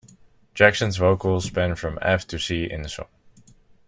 Jackson's vocals span from F to C in the song.